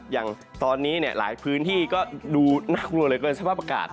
อย่างตอนนี้หลายพื้นที่ก็ดูน่ากลัวเหลือเกินสภาพอากาศ